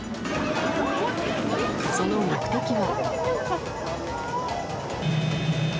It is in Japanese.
その目的は。